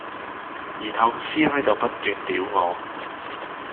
然後個師奶就不斷屌我